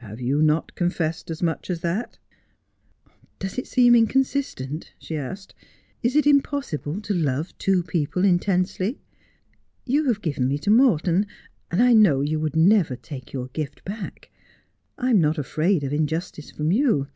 Have you not confessed as much as that 1 '' Does it seem inconsistent ?' she asked. ' Is it impossible to love two people intensely '? You have given me to Morton ; and I know you would never take your gift back. I am not afraid of injustice from you.